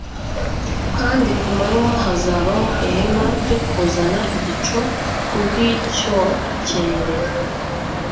kandi ku manywa hazabaho ihema ryo kuzana igicucu ku bw'icyokere